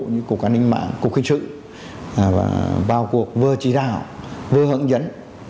như cục an ninh mạng cục khí sử vào cuộc vừa chỉ đạo vừa hướng dẫn